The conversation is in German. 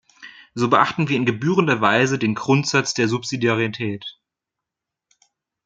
So beachten wir in gebührender Weise den Grundsatz der Subsidiarität.